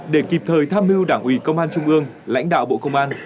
để kịp thời tham mưu đảng ủy công an trung ương lãnh đạo bộ công an